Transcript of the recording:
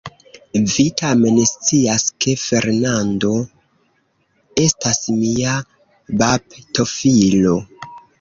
Vi tamen scias, ke Fernando estas mia baptofilo.